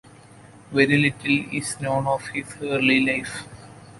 Very little is known of his early life.